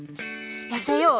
「痩せよう！